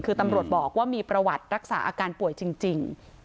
คือตำรวจบอกว่ามีประวัติรักษาอาการป่วยจริง